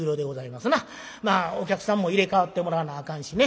まあお客さんも入れ替わってもらわなあかんしね。